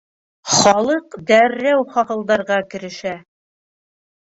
Халыҡ дәррәү хахылдарға керешә.